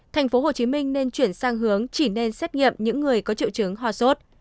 thành phố hồ chí minh nên chuyển sang hướng chỉ nên xét nghiệm những người có triệu chứng hoa sốt